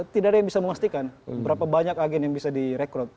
tidak ada yang bisa memastikan berapa banyak agen yang bisa direkrut